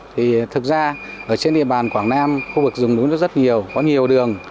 thì thực ra ở trên địa bàn quảng nam khu vực rừng đúng rất nhiều có nhiều đường